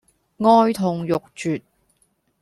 哀痛欲絕